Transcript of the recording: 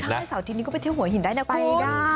ช่างเวลาเสาร์อาทิตย์นี้ก็ไปเที่ยวหัวหินได้นะคุณ